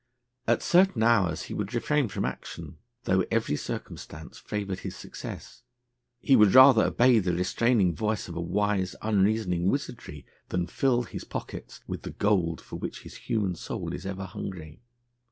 At certain hours he would refrain from action, though every circumstance favoured his success: he would rather obey the restraining voice of a wise, unreasoning wizardry, than fill his pockets with the gold for which his human soul is ever hungry.